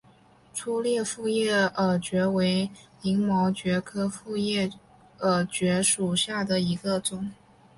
粗裂复叶耳蕨为鳞毛蕨科复叶耳蕨属下的一个种。